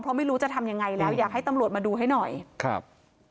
เพราะไม่รู้จะทำยังไงแล้วอยากให้ตำรวจมาดูให้หน่อยครับ